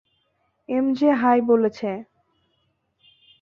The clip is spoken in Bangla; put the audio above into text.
এমজে হাই বলেছে।